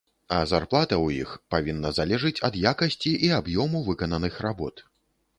А зарплата ў іх павінна залежыць ад якасці і аб'ёму выкананых работ.